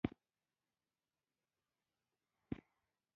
د هرې سیمې ژبه خپل ډول لري.